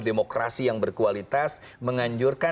konsultasi yang berkualitas menganjurkan